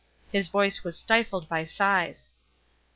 His voice was stifled by sighs.